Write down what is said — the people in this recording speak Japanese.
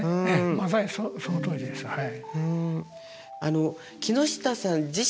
まさにそのとおりですはい。